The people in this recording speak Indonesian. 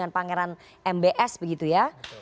pangeran mbs begitu ya